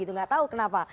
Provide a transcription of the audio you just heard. nggak tahu kenapa